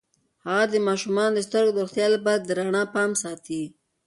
هغه د ماشومانو د سترګو د روغتیا لپاره د رڼا پام ساتي.